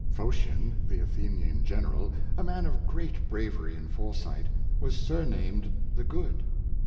Phocion, the Athenian general, a man of great bravery and foresight, was surnamed " The Good."